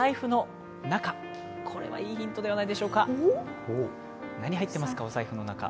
これはいいヒントではないでしょうか。